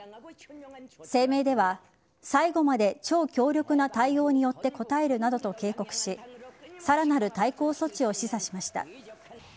声明では最後まで超強力な対応によって応えるなどと警告しさらなる対抗措置を示唆しました。